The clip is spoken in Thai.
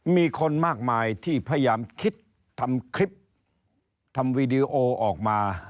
มีคนมากมายที่พยายามคิดทำคลิปทำวีดีโอออกมา